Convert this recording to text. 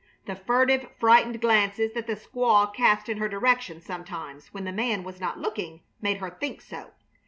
The furtive, frightened glances that the squaw cast in her direction sometimes, when the man was not looking, made her think so.